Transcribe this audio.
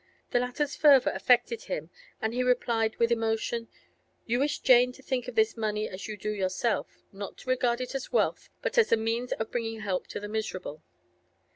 The latter's fervour affected him, and he replied with emotion: 'You wish Jane to think of this money as you do yourself—not to regard it as wealth, but as the means of bringing help to the miserable.